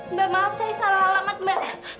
mbak maaf saya salah alamat mbak